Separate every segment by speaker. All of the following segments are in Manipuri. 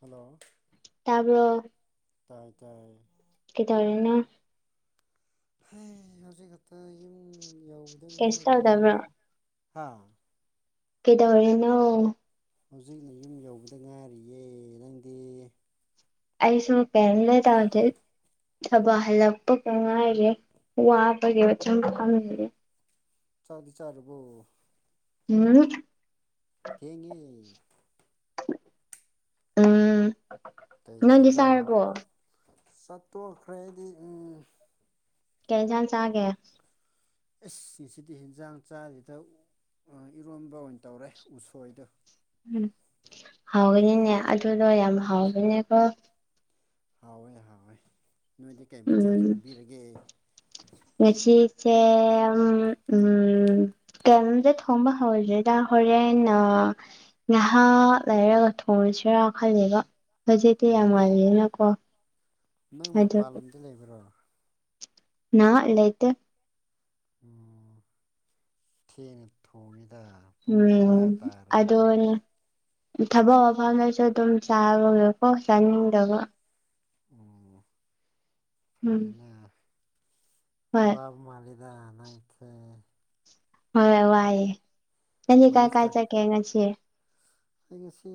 Speaker 1: ꯍꯜꯂꯣ
Speaker 2: ꯇꯕ꯭ꯔꯣ
Speaker 1: ꯇꯥꯏ ꯇꯥꯏꯌꯦ
Speaker 2: ꯀꯩꯗꯧꯔꯤꯅꯣ
Speaker 1: ꯑꯩ ꯍꯧꯖꯤꯛꯈꯇ ꯌꯨꯝ ꯌꯧꯔꯦ꯫
Speaker 2: ꯀꯩꯁꯨ ꯇꯧꯗꯕ꯭ꯔꯣ
Speaker 1: ꯍꯥ
Speaker 2: ꯀꯩꯗꯧꯔꯤꯅꯣ
Speaker 1: ꯍꯧꯖꯤꯛꯇ ꯌꯨꯝ ꯌꯧꯕꯗ ꯉꯥꯏꯔꯤꯌꯦ ꯅꯪꯗꯤ
Speaker 2: ꯑꯩꯁꯨ ꯄꯦꯔꯦꯠ ꯇꯧꯗꯔꯤ ꯊꯕꯛ ꯍꯜꯂꯛꯄꯗ ꯉꯥꯏꯔꯤꯌꯦ ꯋꯥꯕꯒꯤ ꯑꯁꯨꯝ ꯐꯝꯃꯤꯅꯦ꯫
Speaker 1: ꯆꯥꯛꯇꯤ ꯆꯥꯔꯕꯣ
Speaker 2: ꯎꯝ
Speaker 1: ꯊꯦꯡꯉꯦ
Speaker 2: ꯎꯝ ꯅꯪꯗꯤ ꯆꯥꯔꯕꯣ
Speaker 1: ꯆꯥꯛ ꯇꯣꯛꯈ꯭ꯔꯦ ꯍꯥꯏꯔꯗꯤ ꯎꯝ
Speaker 2: ꯀꯩ ꯑꯦꯟꯖꯥꯡ ꯆꯥꯒꯦ
Speaker 1: ꯉꯁꯤꯗꯤ ꯑꯦꯟꯖꯥꯡ ꯆꯗꯦꯗ ꯑ ꯏꯔꯣꯟꯝꯕ ꯑꯣꯏꯅ ꯇꯧꯔꯦ ꯎꯁꯣꯏ
Speaker 2: ꯎꯝ ꯍꯥꯎꯔꯤꯅꯤꯅꯦ ꯑꯗꯨꯗꯣ ꯌꯥꯝ ꯍꯥꯎꯕꯅꯦꯀꯣ
Speaker 1: ꯍꯥꯎꯋꯦ ꯍꯥꯎꯋꯦ ꯅꯣꯏꯗꯤ ꯀꯩ ꯃꯊꯦꯜ
Speaker 2: ꯎꯝ
Speaker 1: ꯊꯣꯡꯉꯒꯦ
Speaker 2: ꯉꯁꯤꯁꯦ ꯎꯝ ꯀꯩꯝꯇ ꯊꯣꯡꯕ ꯍꯧꯗ꯭ꯔꯤꯗ ꯍꯣꯔꯦꯟ ꯉꯏꯍꯥꯛ ꯂꯩꯔꯒ ꯊꯣꯡꯉꯁꯤ꯫ ꯈꯔꯥ ꯈꯜꯂꯤꯕ ꯍꯧꯖꯤꯛꯇꯤ ꯌꯥꯝ
Speaker 1: ꯎꯝ
Speaker 2: ꯉꯜꯂꯤꯗꯅ
Speaker 1: ꯅꯪ ꯃꯄꯥꯟ
Speaker 2: ꯑꯗꯨꯒꯤ
Speaker 1: ꯂꯝꯗ ꯂꯩꯕ꯭ꯔꯣ
Speaker 2: ꯅꯍꯥꯛ ꯂꯩꯇꯦ
Speaker 1: ꯎꯝ ꯊꯦꯡꯅ ꯊꯣꯡꯉꯦ
Speaker 2: ꯎꯝ ꯑꯗꯨꯅꯦ ꯊꯕꯛ ꯃꯐꯝꯗ ꯑꯗꯨꯝ ꯆꯥꯔꯒꯦ ꯍꯧꯖꯤꯛꯇꯤ ꯆꯥꯅꯤꯡꯗꯦ
Speaker 1: [inaudible]
Speaker 2: ꯎꯝ
Speaker 1: ꯐꯩꯅ
Speaker 2: ꯍꯣꯏ
Speaker 1: ꯋꯥꯕ ꯃꯥꯜꯂꯤꯗ ꯅꯪꯁꯦ
Speaker 2: ꯍꯣꯏ ꯋꯥꯏꯌꯦ ꯅꯪꯗꯤ ꯉꯁꯤ ꯀꯥꯏ ꯀꯥꯏ
Speaker 1: ꯃꯥꯂꯤꯁꯇ
Speaker 2: ꯆꯠꯀꯦ?
Speaker 1: ꯑꯩ ꯉꯁꯤ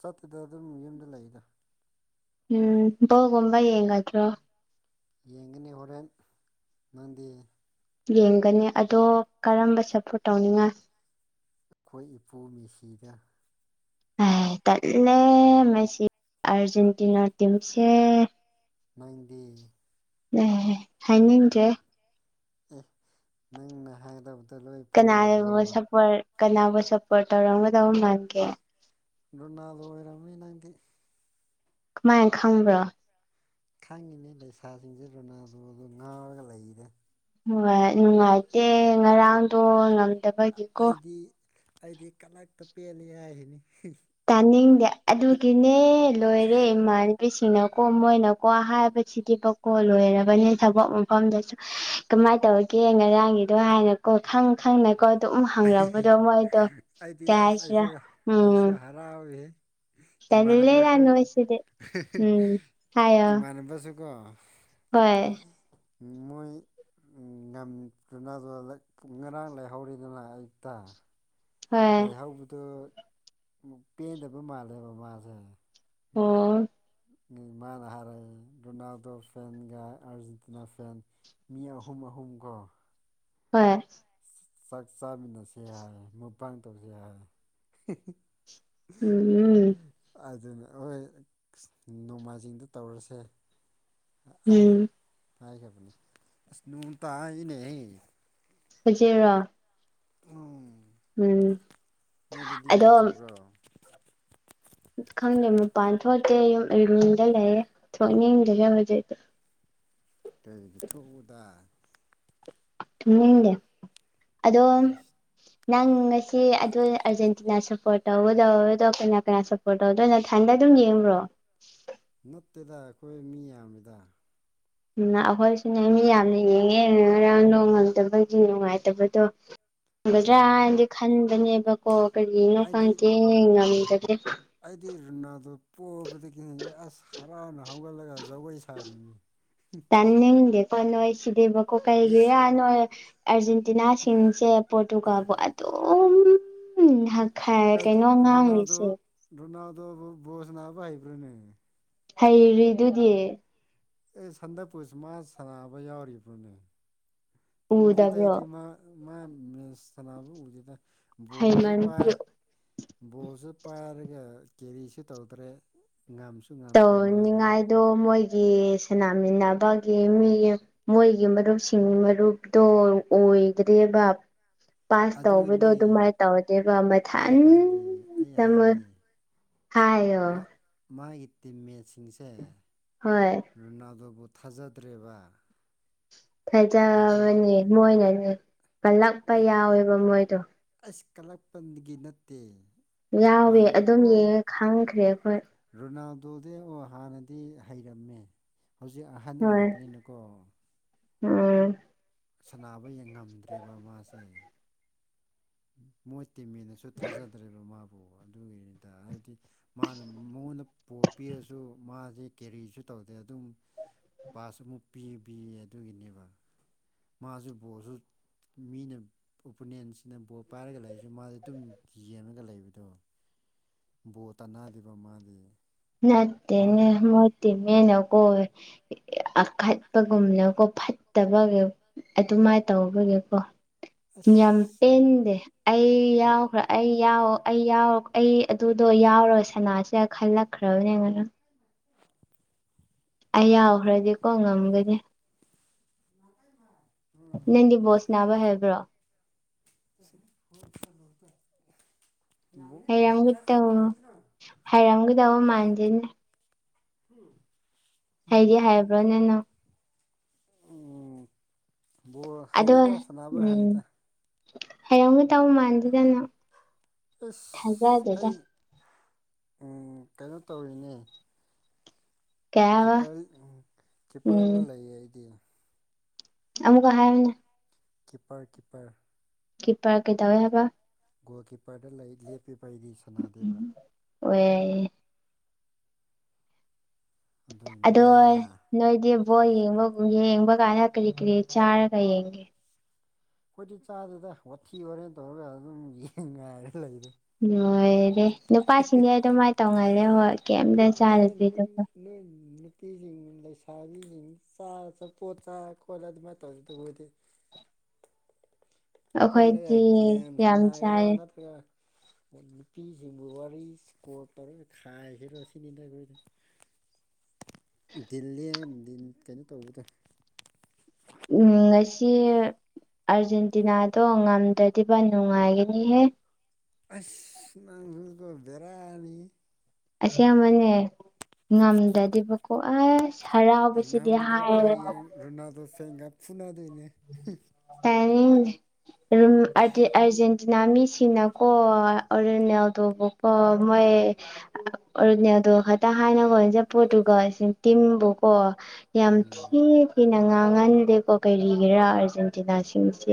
Speaker 1: ꯆꯠꯇꯦꯗ ꯑꯗꯨꯝ ꯌꯨꯝꯗ ꯂꯩ꯫
Speaker 2: ꯎꯝ ꯕꯣꯜ ꯒꯨꯝꯕ ꯌꯦꯡꯒꯗ꯭ꯔꯥ?
Speaker 1: ꯌꯦꯡꯒꯅꯤ ꯍꯣꯔꯦꯟ ꯅꯪꯗꯤ꯫
Speaker 2: ꯌꯦꯡꯒꯅꯤ ꯑꯗꯣ ꯀꯔꯝꯕꯗ ꯁꯞꯄ꯭ꯣꯔꯠ ꯇꯧꯅꯤꯡꯉꯤ?
Speaker 1: ꯑꯩꯈꯣꯏ ꯏꯄꯨ ꯃꯦꯁꯤꯗ꯫
Speaker 2: ꯇꯜꯂꯦ ꯃꯦꯁꯤ ꯑꯔꯖꯦꯟꯇꯤꯅꯥ ꯇꯤꯝꯁꯦ
Speaker 1: ꯅꯪꯗꯤ
Speaker 2: ꯑꯦ ꯍꯥꯏꯅꯤꯡꯗ꯭ꯔꯦ
Speaker 1: ꯑꯦ ꯅꯪꯅ ꯍꯥꯏꯒꯗꯕꯗ
Speaker 2: ꯀꯅꯥꯕꯨ ꯁꯄꯣꯔ ꯀꯅꯥꯕꯨ ꯁꯞꯄꯣꯔꯠ ꯇꯧꯔꯝꯒꯗꯕ ꯃꯥꯟꯒꯦ
Speaker 1: ꯔꯣꯅꯥꯜꯗꯣ ꯑꯣꯏꯔꯝꯃꯤ ꯅꯪꯗꯤ
Speaker 2: ꯀꯃꯥꯏꯟ ꯈꯪꯕ꯭ꯔꯣ
Speaker 1: ꯈꯪꯉꯤꯅꯦ ꯂꯩꯁꯥꯁꯤꯡꯁꯦ ꯔꯣꯅꯜꯗꯣꯗꯣ ꯉꯥꯎꯔꯒ ꯂꯩꯔꯦ
Speaker 2: ꯍꯣꯏ ꯅꯨꯡꯉꯥꯏꯇꯦ ꯉꯔꯥꯡꯗꯣ ꯉꯝꯗꯕꯒꯤꯀꯣ
Speaker 1: ꯑꯩꯗꯤ ꯑꯩꯗꯤ ꯀꯂꯛꯇ ꯄꯦꯜꯂꯤ ꯍꯥꯏꯁꯤꯅꯤ
Speaker 2: ꯇꯥꯅꯤꯡꯗꯦ ꯑꯗꯨꯒꯤꯅꯦ ꯂꯣꯏꯔꯦ ꯏꯃꯥꯟ ꯅꯨꯄꯤꯁꯤꯡꯅꯀꯣ ꯃꯣꯏꯅꯀꯣ ꯍꯥꯏꯕꯁꯤꯗꯤꯕꯀꯣ ꯂꯣꯏꯔꯕꯅꯤ ꯊꯕꯛ ꯃꯐꯝꯗꯁꯨ ꯀꯃꯥꯏꯅ ꯇꯧꯒꯦ ꯉꯔꯥꯡꯒꯤꯗꯣ ꯍꯥꯏꯅꯀꯣ ꯈꯪ ꯈꯪꯅꯀꯣ ꯇꯨꯝ ꯍꯪꯔꯝꯕꯗꯣ ꯃꯣꯏꯗꯣ
Speaker 1: ꯑꯩꯗꯤ
Speaker 2: ꯀꯩ
Speaker 1: ꯑꯁ
Speaker 2: ꯍꯥꯏꯁꯤꯔꯥ
Speaker 1: ꯑꯩꯁꯨ
Speaker 2: ꯎꯝ
Speaker 1: ꯑꯩꯁꯨ [inaudible] ꯏꯃꯥꯟꯅꯕ
Speaker 2: ꯇꯜꯂꯦꯗ
Speaker 1: ꯑꯩꯈꯣꯏ
Speaker 2: ꯅꯣꯏꯁꯤꯗꯤ ꯎꯝ ꯍꯥꯏꯌꯣ
Speaker 1: [unintelligible]
Speaker 2: ꯍꯣꯏ
Speaker 1: ꯃꯣꯏ ꯉꯝꯗꯨ [unintelligible] ꯉꯔꯥꯡ ꯂꯩꯔꯧꯔꯤ
Speaker 2: ꯍꯣꯏ
Speaker 1: [unintelligible] ꯂꯩꯍꯧꯕꯗꯨ ꯄꯦꯟꯗꯕ ꯃꯥꯜꯂꯦꯕ ꯃꯥꯖꯦ
Speaker 2: ꯑꯣ
Speaker 1: ꯃꯥꯅ ꯍꯔꯥꯛꯏ ꯔꯣꯅꯥꯜꯗꯣ ꯐꯦꯟꯒ ꯑꯔꯖꯦꯟꯇꯤꯅꯥ ꯐꯦꯟ ꯃꯤ ꯑꯍꯨꯝ ꯑꯥ ꯍꯨꯝꯒꯣ
Speaker 2: ꯍꯣꯏ
Speaker 1: ꯆꯥꯛ ꯆꯥꯃꯤꯟꯅꯁꯤ ꯍꯥꯏ ꯃꯨꯛꯕꯥꯡ ꯇꯧꯁꯤ ꯍꯥꯏ
Speaker 2: ꯎꯝ
Speaker 1: [unintelligible] ꯑꯗꯨꯅ ꯍꯣꯏ ꯅꯣꯡꯃꯥꯏꯖꯤꯡꯗ ꯇꯧꯔꯁꯦ
Speaker 2: ꯎꯝ
Speaker 1: ꯍꯥꯏꯈꯕꯅꯤ ꯑꯁ ꯅꯣꯡ ꯇꯥꯏꯅꯍꯦ
Speaker 2: [unintelligible]
Speaker 1: ꯎꯝ
Speaker 2: ꯎꯝ
Speaker 1: ꯅꯣꯏꯗꯗꯤ ꯅꯣꯡ
Speaker 2: ꯑꯗꯣ
Speaker 1: ꯆꯨꯕ꯭ꯔꯣ
Speaker 2: ꯈꯪꯗꯦ ꯃꯄꯥꯟ ꯊꯣꯛꯇꯦ ꯎꯔꯨꯝꯗ ꯂꯩꯌꯦ ꯊꯣꯛꯅꯤꯡꯗꯦꯍꯦ ꯍꯧꯖꯤꯛꯇꯤ
Speaker 1: ꯀꯩꯒꯤ ꯊꯣꯛꯎꯗ
Speaker 2: ꯊꯣꯛꯅꯤꯡꯗꯦ ꯑꯗꯣ
Speaker 1: ꯑꯩꯁ
Speaker 2: ꯅꯪ ꯉꯁꯤ ꯑꯗꯨ ꯑꯥꯔꯖꯦꯟꯇꯤꯅꯥ ꯁꯞꯄꯣꯔꯠ ꯇꯧꯒꯗꯕꯗꯣ ꯀꯅꯥ ꯀꯅꯥ ꯁꯞꯄꯣꯔꯠ ꯇꯧꯗꯣꯏꯅꯪ ꯊꯟꯗꯗꯨꯝ ꯌꯦꯡꯕ꯭ꯔꯣ
Speaker 1: ꯅꯠꯇꯦꯗ ꯑꯈꯣꯏ ꯃꯤ ꯌꯥꯝꯃꯤꯗ
Speaker 2: ꯎꯝ ꯉꯥ ꯑꯈꯣꯏꯁꯨꯅꯦ ꯃꯤ ꯌꯥꯝꯅ ꯌꯦꯡꯉꯦ ꯉꯔꯥꯡ ꯅꯣꯡ ꯉꯪꯗꯕꯒꯤ ꯅꯨꯡꯉꯥꯏꯇꯕꯗꯣ ꯉꯝꯒꯗ꯭ꯔꯥ
Speaker 1: ꯎꯝ
Speaker 2: ꯍꯥꯏꯟꯗꯤ ꯈꯟꯕꯅꯦꯕꯀꯣ ꯀꯔꯤꯒꯤꯅꯣ
Speaker 1: ꯑꯩꯗꯤ
Speaker 2: ꯈꯪꯗꯦ ꯉꯝꯗꯒ
Speaker 1: ꯑꯩꯗꯤ ꯔꯣꯅꯥꯜꯗꯣ ꯄꯣꯕꯗꯒꯤ ꯑ꯭ꯁ ꯍꯔꯥꯎꯅ ꯍꯧꯒꯠꯂꯒ ꯖꯒꯣꯏ ꯁꯥꯔꯤꯌꯦꯃꯤ
Speaker 2: ꯇꯥꯅꯤꯡꯗꯦꯀꯣ ꯅꯣꯏ ꯁꯤꯗꯤꯕꯀꯣ ꯀꯩꯒꯤꯔ ꯅꯣꯏ ꯑ꯭ꯔꯖꯦꯟ ꯇꯤꯅꯥꯁꯤꯡꯁꯦ ꯄꯣꯔꯇꯨꯒꯜꯕꯨ ꯑꯗꯨꯝ ꯎꯝ [unintelligible] ꯀꯩꯅꯣ ꯉꯥꯡꯔꯤꯁꯦ
Speaker 1: ꯗꯣ ꯕꯣ ꯕꯣꯜ ꯁꯥꯟꯅꯕ ꯍꯩꯕ꯭ꯔꯅꯦ
Speaker 2: ꯍꯩꯔꯤꯗꯨꯗꯤ
Speaker 1: ꯑꯦ ꯁꯟꯗꯛ ꯄꯨꯨꯁ ꯃꯥ ꯁꯥꯟꯅꯕ ꯌꯥꯎꯔꯤꯕꯣꯅꯦ ꯎꯗꯦꯗ
Speaker 2: ꯎꯗꯕ꯭ꯔꯣ
Speaker 1: ꯑꯩꯗꯤ ꯃꯥ ꯃꯥ ꯃꯦꯁ ꯁꯥꯟꯅꯕ ꯎꯗꯦꯗ ꯕꯣꯜꯖꯨ ꯄꯥꯏ
Speaker 2: ꯍꯩꯃꯟꯒꯤ
Speaker 1: ꯕꯣꯜꯖꯨ ꯄꯥꯏꯔꯒ ꯀꯦꯔꯤꯁꯨ ꯇꯧꯗ꯭ꯔꯦ ꯉꯝꯁꯨ ꯉꯝꯗ꯭ꯔꯦ ꯃꯥꯗꯤ
Speaker 2: ꯇꯧꯅꯤꯡꯉꯥꯏꯗꯣ ꯃꯣꯏ ꯒꯤ ꯁꯅꯥꯃꯤꯟꯅꯕꯒꯤ ꯃꯤ ꯃꯣꯏꯒꯤ ꯃꯔꯨꯞꯁꯤꯡꯒꯤ ꯃꯔꯨꯞꯇꯣ ꯑꯣ ꯑꯣꯏꯗꯔꯦꯕ ꯄꯥꯁ ꯇꯧꯕꯗꯣ
Speaker 1: ꯑꯗꯨꯅꯦ
Speaker 2: ꯑꯗꯨꯃꯥꯏ ꯇꯧꯔꯗꯦꯕ
Speaker 1: ꯑꯩ
Speaker 2: ꯃꯊꯟ
Speaker 1: ꯍꯥꯏꯒꯦ ꯑꯩ
Speaker 2: ꯇꯃꯛ
Speaker 1: ꯍꯥꯏꯒꯦ
Speaker 2: ꯍꯥꯏꯌꯣ
Speaker 1: ꯃꯥꯒꯤ ꯇꯤꯝꯃꯦꯠꯁꯤꯡꯁꯦ
Speaker 2: ꯍꯣꯏ
Speaker 1: ꯔꯣꯅꯥꯜꯗꯣꯕꯨ ꯊꯥꯖꯗ꯭ꯔꯦꯕ ꯑꯗꯨ
Speaker 2: ꯐꯖꯕꯅꯦ ꯃꯣꯏꯅꯅꯦ ꯀꯜꯂꯛꯄ ꯌꯥꯎꯋꯦꯕ ꯃꯣꯏꯗꯣ
Speaker 1: ꯀꯂꯛꯄꯟꯒꯤ ꯅꯠꯇꯦ
Speaker 2: ꯌꯥꯎꯋꯦ
Speaker 1: ꯍꯥꯟꯅ
Speaker 2: ꯑꯗꯨꯝ
Speaker 1: ꯑꯣ
Speaker 2: ꯌꯦꯡꯉ ꯈꯪꯈ꯭ꯔꯦ ꯑꯈꯣꯏ
Speaker 1: ꯑꯗꯨꯗꯤ ꯑꯣ ꯍꯥꯟꯅꯗꯤ ꯍꯩꯔꯝꯃꯦ ꯍꯧꯖꯤꯛ ꯑꯍꯟ
Speaker 2: ꯍꯣꯏ
Speaker 1: ꯑꯣꯏꯔꯄꯅꯤꯅꯀꯣ
Speaker 2: ꯎꯝ
Speaker 1: ꯁꯟꯅꯥꯕ ꯌꯦꯡ ꯉꯝꯗ꯭ꯔꯦꯕ ꯃꯥꯁꯦ ꯃꯣꯏ ꯇꯤꯝꯃꯦꯠꯅꯁꯨ ꯊꯥꯖꯗ꯭ꯔꯦꯕ ꯃꯥꯕꯨ
Speaker 2: [inaudible]
Speaker 1: ꯑꯗ ꯍꯥꯏꯗꯤ ꯃꯥꯅ ꯃꯉꯣꯟꯗ ꯕꯣꯜ ꯄꯤꯔꯖꯨ ꯃꯥꯖꯦ ꯀꯦꯔꯤꯖꯨ ꯇꯧꯗꯦ ꯑꯗꯨꯝ ꯄꯥꯁ ꯑꯃꯨꯛ ꯄꯤꯕꯤꯌꯦ ꯑꯗꯨꯒꯤꯅꯦꯕ ꯃꯥꯖꯨ ꯕꯣꯜꯖꯨ ꯃꯤꯅ ꯑꯣꯄꯣꯅꯦꯟꯁꯅ ꯕꯣꯜ ꯄꯥꯏꯔꯒ ꯂꯩꯖꯨ ꯃꯥꯖꯨ ꯗꯨꯝ ꯌꯦꯡꯉꯒ ꯂꯩꯕꯗꯣ ꯕꯣꯜ ꯇꯅꯥꯗꯦꯕ ꯃꯥꯗꯤ ꯍꯥ
Speaker 2: ꯅꯠꯇꯦꯅꯦ ꯃꯣꯏ ꯇꯤꯝꯃꯦꯠꯅ ꯀꯣ ꯑꯈꯠꯄꯒꯨꯝꯅ ꯀꯣ ꯐꯠꯇꯕꯒꯤ ꯑꯗꯨꯃꯥꯏ ꯇꯧꯕꯒꯤꯀꯣ ꯌꯥꯝ
Speaker 1: ꯑꯁ
Speaker 2: ꯄꯦꯟꯗꯦ ꯑꯩ ꯌꯥꯎꯈ꯭ꯔꯥ ꯑꯩ ꯌꯥꯎ ꯑꯩ ꯌꯥꯎ ꯑꯩ ꯑꯗꯨꯗꯣ ꯌꯥꯎꯔ ꯁꯅꯥꯁꯦꯔ ꯈꯜꯂꯛꯈ꯭ꯔꯕꯅꯦ ꯉꯌꯥꯡ ꯑꯩ ꯌꯥꯎꯈ꯭ꯔꯗꯤꯀꯣ ꯉꯝꯒꯅꯤ ꯅꯪꯗꯤ ꯕꯣꯜ ꯁꯅꯥꯕ ꯍꯩꯕ꯭ꯔꯣ
Speaker 1: [unintelligible]
Speaker 2: ꯍꯩꯔꯝꯒꯗꯕ ꯍꯩꯔꯝꯒꯗꯕ ꯃꯥꯟꯗꯦꯅꯦ
Speaker 1: ꯎꯝ
Speaker 2: ꯍꯩꯗꯤ ꯍꯩꯕ꯭ꯔꯥꯅꯦ ꯅꯪ
Speaker 1: ꯕꯣꯜ
Speaker 2: ꯑꯗꯣ
Speaker 1: ꯍꯩꯌꯦꯗ ꯁꯟꯅꯕ
Speaker 2: ꯎꯝ
Speaker 1: ꯍꯩꯌꯦꯗ
Speaker 2: ꯍꯩꯔꯝꯒꯗꯧꯕ ꯃꯥꯟꯗꯦꯗ ꯅꯪ
Speaker 1: ꯑꯁ
Speaker 2: ꯊꯥꯖꯗꯦꯗ
Speaker 1: ꯑꯩ ꯎꯝ ꯀꯩꯅꯣ ꯇꯧꯔꯤꯅꯦ
Speaker 2: ꯀꯩ ꯍꯥꯏꯕ
Speaker 1: ꯀꯤꯄꯔ ꯎꯝ ꯀꯤꯄꯔꯒ
Speaker 2: ꯎꯝ
Speaker 1: ꯂꯩꯌꯦ ꯑꯩꯗꯤ
Speaker 2: ꯑꯃꯨꯛꯀ ꯍꯥꯏꯌꯣꯅꯦ
Speaker 1: ꯀꯤꯄꯔ ꯀꯤꯄꯔ
Speaker 2: ꯀꯤꯄꯔ ꯀꯩꯗꯧꯋꯦ ꯍꯥꯏꯕ
Speaker 1: ꯒꯣꯜ ꯀꯤꯄꯔꯗ ꯂꯩ ꯂꯦꯞꯄꯦꯕ ꯑꯩꯗꯤ ꯁꯅꯥꯗꯦꯕ
Speaker 2: ꯑꯣ ꯌꯥꯏꯌꯦ ꯑꯗꯣ
Speaker 1: ꯑꯗꯨꯒꯤꯅꯤꯗ ꯑꯩꯈꯣꯏꯗꯤ
Speaker 2: ꯅꯣꯏꯗꯤ ꯕꯣꯜ ꯌꯦꯡꯕꯕꯨ ꯌꯦꯡꯕ ꯀꯥꯟꯗ ꯀꯔꯤ ꯀꯔꯤ ꯆꯥꯔꯒ ꯌꯦꯡꯒꯦ
Speaker 1: ꯈꯣꯏꯗꯤ ꯆꯥꯗꯦꯗ ꯋꯥꯊꯤ ꯋꯥꯔꯦꯝ ꯇꯧꯔꯒ ꯑꯗꯨꯝ ꯌꯦꯡꯉꯦ ꯍꯥꯏꯔꯦ
Speaker 2: ꯂꯣꯏꯔꯦ ꯅꯨꯄꯥꯁꯤꯡꯗꯤ ꯑꯗꯨꯃꯥꯏ ꯇꯧꯒꯜꯂꯦ ꯍꯣꯏ ꯀꯩꯝꯇ ꯆꯥꯗꯕꯤꯗꯀꯣ
Speaker 1: [unintelligible] ꯂꯩꯁꯥꯕꯤꯖꯤꯡ [unintelligible]
Speaker 2: [inaudible]
Speaker 1: ꯄꯨꯜꯂꯒ
Speaker 2: ꯑꯩꯈꯣꯏꯗꯤ
Speaker 1: ꯒꯦꯝ
Speaker 2: ꯌꯥꯝ
Speaker 1: ꯁꯥꯟꯅꯒꯦꯔꯣ
Speaker 2: ꯆꯥꯏ
Speaker 1: ꯅꯠꯇ꯭ꯔꯒ ꯅꯨꯄꯤꯖꯤꯡꯕꯨ ꯋꯥꯔꯤ ꯀꯣꯜ ꯇꯧꯔ ꯈꯥꯏꯁꯤꯔꯣ ꯁꯤꯅꯤꯗ ꯑꯈꫭꯏꯗꯤ
Speaker 2: [inaudible]
Speaker 1: ꯗꯤꯜ ꯂꯦꯜ ꯗꯤꯜ ꯀꯩꯅꯣ ꯇꯧꯕꯗꯣ
Speaker 2: ꯎꯝ ꯉꯁꯤ ꯑꯥꯔꯖꯦꯟꯇꯤꯅꯥꯗꯣ ꯉꯝꯗ꯭ꯔꯗꯤꯕ ꯅꯨꯡꯉꯥꯏꯒꯅꯤꯍꯦ
Speaker 1: ꯑꯁ ꯅꯪꯖꯨ ꯕꯦꯔꯥꯅꯤ
Speaker 2: ꯑꯁꯦꯡꯕꯅꯦ ꯉꯝꯗꯗꯤꯕꯀꯣ ꯑꯁ ꯍꯔꯥꯎꯕꯁꯤꯗꯤ ꯍꯥꯏꯔ [unintelligible]
Speaker 1: [unintelligible] ꯐꯨꯅ
Speaker 2: ꯇꯥꯅꯤꯡꯗꯦ [unintelligible] ꯑꯔꯖꯦꯟ ꯇꯤꯅꯥ ꯃꯤꯁꯤꯡꯅꯀꯣ ꯔꯣꯅꯦꯜꯗꯣꯕꯨꯀꯣ ꯃꯣꯏ [unintelligible] ꯑꯗꯨ ꯈꯇ ꯍꯥꯏꯅꯒꯨꯝꯁꯤ ꯄꫭꯔꯇꯨꯒꯜ [unintelligible] ꯇꯤꯝꯕꯨꯀꫭ ꯌꯥꯝ
Speaker 1: ꯑꯥ
Speaker 2: ꯊꯤ ꯊꯤꯅ ꯉꯥꯡꯍꯟꯗꯦꯀꯣ ꯀꯩ ꯒꯤꯔ ꯑꯔꯖꯦꯟꯇꯤꯅꯥ ꯁꯤꯡꯁꯦ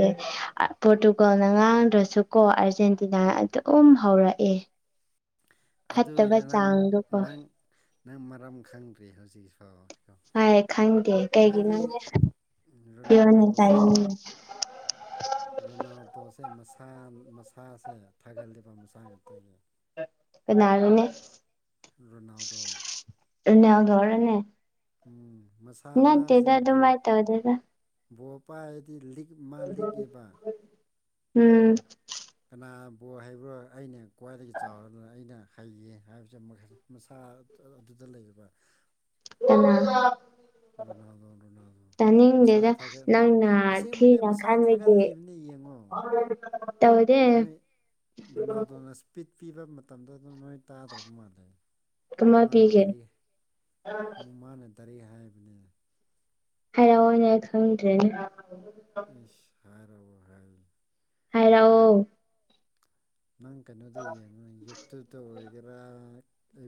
Speaker 2: ꯄꯣꯔꯇꯨꯒꯜꯅ ꯉꯥꯡꯗ꯭ꯔꯁꯨ ꯀꯣ ꯑꯥꯔꯖꯦꯟꯇꯤꯅꯥ ꯑꯗꯨꯝ ꯍꯧꯔꯑꯦ
Speaker 1: ꯑꯗꯨꯏꯔ ꯅꯪ ꯅꯪ ꯅꯪ ꯃꯔꯝ ꯈꯪꯗ꯭ꯔꯤ ꯍꯧꯖꯤꯛꯐꯥꯎ
Speaker 2: ꯍꯥꯏ ꯈꯪꯗꯦ ꯀꯩꯒꯤꯅꯣ
Speaker 1: ꯔꯣꯅꯥꯜꯗꯣꯁꯦ
Speaker 2: [unintelligible]
Speaker 1: ꯔꯣꯅꯥꯜꯗꯣꯁꯦ ꯃꯁꯥ ꯃꯁꯥꯁꯦ ꯊꯥꯒꯠꯂꯤꯕ ꯃꯁꯥ ꯉꯥꯛꯇꯒꯤ
Speaker 2: [unintelligible]
Speaker 1: ꯔꯣꯅꯥꯜꯗꯣ
Speaker 2: [unintelligible] ꯅꯦ
Speaker 1: ꯎꯝ ꯃꯁꯥ
Speaker 2: ꯅꯠꯇꯦꯗ ꯑꯗꯨꯝꯃꯥꯏ ꯇꯧꯗꯦꯗ
Speaker 1: ꯕꫭꯜ ꯄꯥꯏꯔꯗꯤ [unintelligible] ꯃꯥ ꯂꯤꯛꯏꯕ
Speaker 2: [inaudible]
Speaker 1: [unintelligible] ꯍꯩꯕ꯭ꯔꯣ ꯑꯩꯅ ꯈ꯭ꯋꯥꯏꯗꯒꯤ ꯆꯥꯎꯔꯗꯨꯅ ꯑꯩꯅ ꯍꯩꯌꯦ ꯍꯥꯏꯕꯁꯦ ꯃꯁꯥ ꯑꯗꯨꯗ ꯂꯩꯕ
Speaker 2: [unintelligible]
Speaker 1: ꯔꯣꯅꯥꯜꯗꯣ ꯔꯣꯅꯥꯜꯗꯣ ꯃꯁꯥ
Speaker 2: ꯇꯥꯅꯤꯡꯗꯦꯗ ꯅꯪꯅ
Speaker 1: [unintelligible] ꯑꯁꯦꯡꯕꯅꯦ
Speaker 2: ꯊꯤꯅ
Speaker 1: ꯃꯁꯥ
Speaker 2: ꯈꯟꯕꯒꯤ
Speaker 1: ꯊꯥꯒꯠꯂꯤꯕꯅꯦ ꯌꯦꯡꯉꯣ
Speaker 2: [unintelligible] ꯇꯧꯗꯦ
Speaker 1: ꯅꯣꯏ ꯔꯣꯅꯥꯜꯗꯣꯅ ꯏꯁꯄꯤꯠ ꯄꯤꯕ ꯃꯇꯝꯗꯨ ꯑꯗꯨ ꯅꯣꯏ ꯇꯥꯗ꯭ꯔꯕ ꯃꯥꯜꯂꯦ
Speaker 2: ꯑꯃ
Speaker 1: ꯃꯥꯅ
Speaker 2: ꯄꯤꯒꯦ
Speaker 1: ꯗꯥꯏꯔꯦꯛ ꯃꯥꯅ ꯗꯥꯏꯔꯦꯛ ꯍꯥꯏꯕꯅꯦ
Speaker 2: ꯍꯥꯢꯔꯑꫭꯅꯦ ꯈꯪꯗ꯭ꯔꯦꯅꯦ
Speaker 1: [inaudible] ꯍꯥꯏ
Speaker 2: ꯍꯥꯏꯔꯑꯣ
Speaker 1: ꯅꯪ ꯀꯩꯅꯣꯗ ꯌꯦꯡꯉꯨ ꯌꯨꯇꯨꯞꯇ ꯑꯣꯏꯒꯦꯔ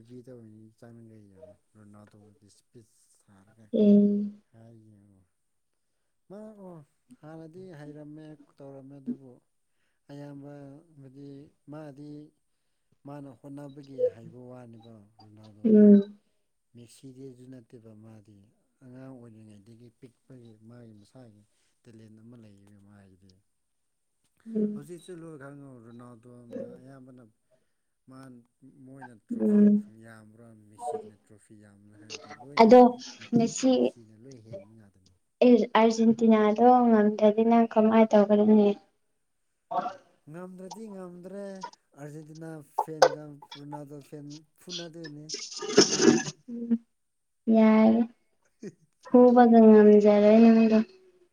Speaker 1: ꯕꯤꯗꯤꯑꯣ ꯑꯣꯏꯅ ꯆꯪꯉꯒ ꯌꯦꯡꯉꫭ ꯔꯣꯅꯥꯜꯗꯣꯒꯤ ꯏꯁꯄꯤꯁ ꯊꯥꯔꯒ
Speaker 2: ꯎꯝ
Speaker 1: ꯍꯥꯏ ꯌꯦꯡꯉꯣ ꯃꯥ ꯑꯣ ꯍꯥꯟꯅꯗꯤ ꯍꯩꯔꯝꯃꯦ ꯇꯧꯔꯝꯃꯦ ꯑꯗꯨꯕꯨ ꯑꯌꯥꯝꯕ ꯍꯥꯏꯗꯤ ꯃꯥꯗꯤ ꯃꯥꯅ ꯍꯣꯠꯅꯕꯒꯤ ꯍꯩꯕ ꯋꯥꯅꯦꯕ ꯔꯣꯅꯥꯜꯗꯣꯗꯤ
Speaker 2: ꯎꯝ
Speaker 1: ꯃꯦꯁꯤꯗꯤ ꯑꯗꯨ ꯅꯠꯇꯦꯕ ꯃꯥꯗꯤ ꯑꯉꯥꯡ ꯑꯣꯏꯔꯤꯉꯩꯗꯒꯤ ꯄꯤꯛꯄꯒꯤ ꯃꯥꯒꯤ ꯃꯁꯥꯒꯤ ꯇꯦꯂꯦꯟ ꯑꯃ ꯂꯩꯌꯦ ꯃꯥꯏꯗꯤ
Speaker 2: ꯎꯝ
Speaker 1: ꯍꯧꯖꯤꯛꯁꯨ ꯂꯣꯏ [unintelligible] ꯔꯣꯅꯥꯜꯗꯣꯅ ꯑꯌꯥꯝꯕꯅꯞ ꯃꯥꯅ ꯃꯣꯏꯅ ꯇ꯭ꯔꯣꯐꯤ
Speaker 2: ꯎꯝ
Speaker 1: ꯌꯥꯝꯕ꯭ꯔꯥ ꯃꯦꯁꯤꯒꯤꯅ ꯇ꯭ꯔꯣꯐꯤ ꯌꯥꯝ [unintelligible] ꯂꯣꯏꯅ
Speaker 2: ꯑꯗꯣ
Speaker 1: ꯃꯦꯁꯤꯅ ꯂꯣꯏ ꯍꯦꯟꯕ ꯉꯥꯛꯇꯅꯤ
Speaker 2: ꯑꯦ ꯑꯥꯔꯖꯦꯟꯇꯤꯅꯥꯗꯣ ꯉꯝꯗ꯭ꯔꯗꯤ ꯅꯪ ꯀꯃꯥꯏꯟ ꯇꯧꯒꯅꯤ [unintelligible]
Speaker 1: ꯉꯝꯗ꯭ꯔꯗꯤ ꯉꯝꯗ꯭ꯔꯦ ꯑꯥꯔꯖꯦꯟꯇꯤꯅꯥ ꯐꯦꯟꯒ ꯔꯣꯅꯥꯜꯗꯣ ꯐꯦꯟ ꯐꯨꯅꯗ [unintelligible]
Speaker 2: [unintelligible] [unintelligible]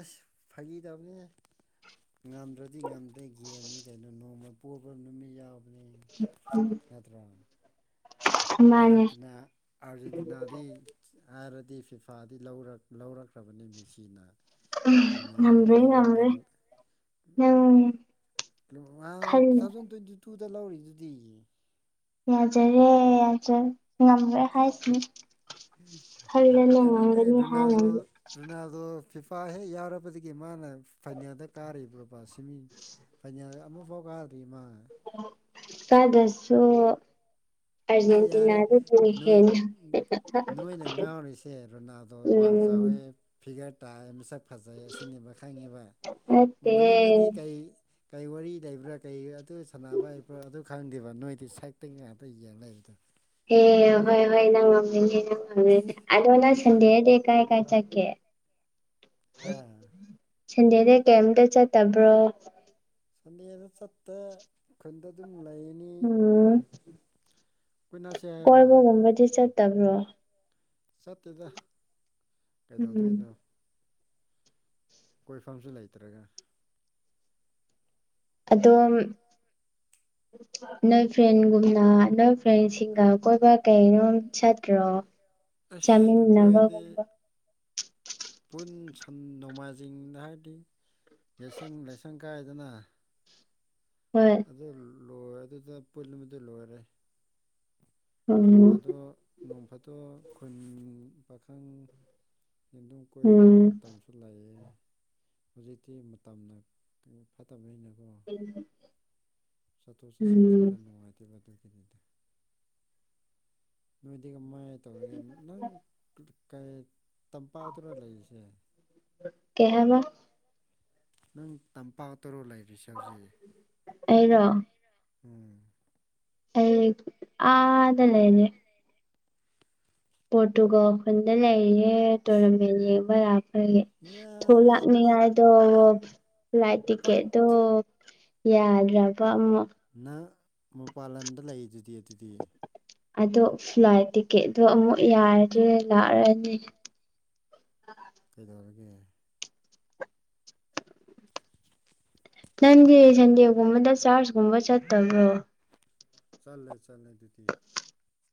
Speaker 1: ꯑ꯭ꯁ ꯐꯥꯒꯤ ꯇꯧꯕꯅꯦꯍꯦ ꯉꯝꯗ꯭ꯔꯗꯤ ꯉꯝꯗ꯭ꯔꯦ ꯒꯦꯝꯅꯤ ꯀꯩꯅꯣ ꯅꯣꯡꯃ ꯄꯣꯕ ꯅꯨꯃꯤꯠ ꯌꯥꯎ [unintelligible] ꯅꯠꯇ꯭ꯔꯣ
Speaker 2: ꯃꯥꯅꯦ
Speaker 1: ꯑ꯭ꯔꯖꯦꯟꯇꯤꯅꯥ ꯑ꯭ꯔꯖꯦꯟꯇꯤꯅꯥꯗꯤ ꯑꯥꯔ ꯗꯤ ꯐꯤꯐꯥꯗꯤ ꯂꯧꯔꯛ ꯂꯧꯔꯛꯈ꯭ꯔꯕꯅꯦ ꯃꯤꯁꯤꯅ
Speaker 2: ꯎꯝ ꯉꯝꯗ꯭ꯔꯦ ꯉꯝꯗ꯭ꯔꯦ ꯅꯪ
Speaker 1: [unintelligible]
Speaker 2: ꯈꯜꯂꯨ
Speaker 1: ꯇꯨꯊꯥꯎꯖꯟ ꯇ꯭ꯋꯦꯟꯇꯤ ꯇꯨꯗ ꯂꯧꯔꯤꯗꯨꯗꯤ
Speaker 2: ꯌꯥꯖꯔꯦ ꯌꯥꯖꯔꯦ ꯉꯝꯔꯣꯏ ꯍꯥꯏꯁꯤꯅꯤ ꯈꯜꯂꯅ
Speaker 1: ꯑꯗꯨꯅꯦ
Speaker 2: ꯉꯝꯒꯅꯤ
Speaker 1: ꯔꯣꯅꯥꯜꯗꯣ
Speaker 2: ꯍꯥꯏꯅꯗꯤ
Speaker 1: ꯔꯣꯅꯥꯜꯗꯣ ꯐꯤ ꯐꯥ ꯍꯦꯛ ꯌꯥꯎꯔꯛꯄꯗꯒꯤ ꯃꯥꯅ ꯐꯥꯏꯅꯦꯜꯗ ꯀꯥꯔꯤꯕ꯭ꯔꯣꯕ ꯁꯤꯃꯤ ꯐꯥꯏꯅꯦꯜ ꯑꯥ ꯑꯃꯨꯐꯥꯎ ꯀꯥꯗ꯭ꯔꯤ ꯃꯥ
Speaker 2: ꯀꯥꯗꯁꯨ
Speaker 1: ꯑꯩ ꯌꯥꯔꯦ ꯅꯣꯏ ꯅꯣꯏꯅ ꯉꯥꯎꯔꯤꯁꯦ ꯔꯣꯅꯥꯜꯗꯣ ꯋꯥ
Speaker 2: ꯎꯝ
Speaker 1: ꯇꯥꯏꯝꯁ ꯁꯛ ꯐꯖꯩ ꯑꯁꯤꯅꯤꯕ ꯈꯪꯉꯤꯕ
Speaker 2: ꯅꯠꯇꯦ
Speaker 1: ꯃꯅꯨꯡꯗꯗꯤ ꯀꯩ ꯀꯩ ꯋꯥꯔꯤ ꯂꯩꯕ꯭ꯔꯥ ꯀꯩ ꯑꯗꯨ ꯁꯥꯟꯅꯕ ꯍꯩꯕ꯭ꯔ ꯑꯗꯨ ꯈꯪꯗꯦꯕ ꯅꯣꯏꯗꯤ ꯁꯛꯇ ꯉꯥꯛꯇ ꯌꯦꯡ ꯂꯩ
Speaker 2: ꯍꯦ ꯍꯣꯏ ꯍꯣꯏ ꯅꯪ ꯉꯝꯃꯦꯅꯦ ꯅꯪ ꯉꯝꯃꯦꯅꯦ ꯑꯗꯣ ꯅꯪ ꯁꯟꯗꯦꯗꯤ ꯀꯥꯏ ꯀꯥꯏ ꯆꯠ ꯀꯦ
Speaker 1: ꯍꯥꯥ
Speaker 2: ꯁꯟꯗꯦꯗ ꯀꯩꯝꯇ ꯆꯠꯇꯕ꯭ꯔꯣ
Speaker 1: ꯁꯟꯗꯦꯗ ꯆꯠꯇꯦ ꯈꯨꯟꯗ ꯗꯨꯝ
Speaker 2: ꯎꯝ
Speaker 1: ꯀꯣꯏꯅꯁꯦ ꯍꯥꯏꯔꯣ
Speaker 2: ꯀꯣꯏꯕꯒꯨꯝꯕꯗꯤ ꯆꯠꯇꯕ꯭ꯔꯣ
Speaker 1: ꯆꯠꯇꯦꯗ
Speaker 2: ꯎꯝ
Speaker 1: ꯀꯩꯗꯧꯗꯣꯏꯅꯣ ꯀꯣꯏꯐꯝꯁꯨ ꯂꯩꯇ꯭ꯔꯒ
Speaker 2: ꯑꯗꯣꯝ ꯅꯣꯏ ꯐ꯭ꯔꯦꯟꯒꯨꯝꯅ ꯅꯣꯏ ꯐ꯭ꯔꯦꯟꯁꯤꯡꯒ ꯀꯣꯏꯕ ꯀꯩꯅꯣꯝ ꯆꯠꯇ꯭ꯔꯣ
Speaker 1: ꯑꯁ ꯑꯩꯈꯣꯏꯗꯤ
Speaker 2: ꯆꯥꯃꯤꯟꯅꯕꯒꯨꯝꯕ
Speaker 1: ꯄꯨꯟ ꯁꯟ ꯅꯣꯡꯃꯥꯏꯖꯤꯡꯗ ꯍꯥꯏꯗꯤ ꯌꯦꯁꯪ ꯂꯥꯏꯁꯪ ꯀꯥꯏꯗꯅ
Speaker 2: ꯍꯣꯏ
Speaker 1: ꯂꯣꯏꯔꯦ ꯑꯗꯨꯗ ꯄꯨꯜꯕꯗꯨ ꯂꯣꯏꯔꯦ
Speaker 2: ꯎꯝ
Speaker 1: ꯅꯣꯡꯐꯥꯗꯣꯛ ꯅꯣꯡꯐꯥꯗꯣꯛ ꯈꯨꯟ ꯄꯥꯈꯪ ꯑꯗꯨꯝ ꯀꯣꯏꯕ
Speaker 2: ꯎꯝ
Speaker 1: ꯃꯇꯝꯁꯨ ꯂꯩꯌꯦ ꯍꯨꯖꯤꯛꯇꯤ ꯃꯇꯝꯅ ꯀ ꯐꯠꯇꯕꯅꯤꯅ ꯀꯣ ꯆꯠꯊꯣꯛ ꯆꯠꯁꯤꯟꯁꯦ
Speaker 2: ꯎꯝ
Speaker 1: ꯈꯔ ꯅꯨꯡꯉꯥꯏꯇꯦꯕ ꯑꯗꯨꯏ ꯅꯣꯏꯗꯤ ꯀꯃꯥꯏ ꯇꯧꯔꯤꯒꯦ ꯅꯪ ꯀꯩ ꯇꯝꯄꯥꯛꯇꯔ ꯂꯩꯔꯤꯁꯦ
Speaker 2: ꯀꯩ ꯍꯥꯏꯕ
Speaker 1: ꯅꯪ ꯇꯝꯄꯥꯛꯇꯔꯣ ꯂꯩꯔꯤꯁꯦ ꯍꯧꯖꯤꯛ
Speaker 2: ꯑꯩꯔꯣ
Speaker 1: ꯎꯝ
Speaker 2: ꯑꯩ ꯑꯥꯗ ꯂꯩꯔꯦ ꯄꯣꯔꯇꯨꯒꯜ ꯈꯨꯟꯗ ꯂꯩꯌꯦ ꯇꯣꯔꯅꯥꯃꯦꯟ ꯌꯦꯕ ꯂꯥꯛ
Speaker 1: ꯌꯥꯔꯦꯍꯦ ꯄꯛ
Speaker 2: [unintelligible] ꯐ꯭ꯂꯥꯏꯠ
Speaker 1: ꯄꯛ
Speaker 2: ꯇꯤꯛꯀꯦꯠꯇꯣ ꯌꯥꯗ꯭ꯔꯕ ꯑꯃꯨꯛ
Speaker 1: ꯅꯪ ꯃꯄꯥꯟ ꯂꯝꯗ ꯂꯩꯗꯨꯗꯤ ꯑꯗꯨꯗꯤ
Speaker 2: ꯑꯗꯣ ꯐ꯭ꯂꯥꯏꯠ ꯇꯤꯀꯦꯠꯇꯣ ꯑꯃꯨꯛ ꯌꯥꯔꯗꯤ ꯂꯥꯛꯔꯅꯤ
Speaker 1: ꯀꯩꯗꯧꯔꯒꯦ
Speaker 2: ꯀꯦꯟꯗꯤ ꯁꯟꯗꯦꯒꯨꯝꯕꯗ ꯆꯥꯔꯖ ꯒꯨꯝꯕ ꯆꯠꯇꯕ꯭ꯔꯣ
Speaker 1: ꯆꯠꯂꯦ ꯆꯠꯂꯦ ꯑꯗꯨꯗꯤ